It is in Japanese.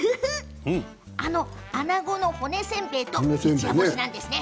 あなごの骨せんべいと一夜干しなんです。